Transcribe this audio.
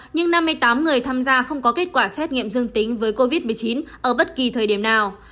nhưng năm mươi tám người tham gia không có kết quả xét nghiệm dương tính với covid một mươi chín ở bất kỳ thời điểm nào